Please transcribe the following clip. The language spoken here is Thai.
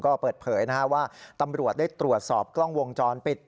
ก็เปิดเผยว่าตำรวจได้ตรวจสอบกล้องวงจรปิด